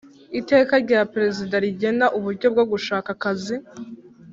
iteka rya perezida rigena uburyo bwo gushaka akazi